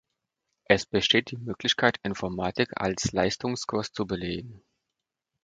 Es besteht die Möglichkeit, Informatik als Leistungskurs zu belegen.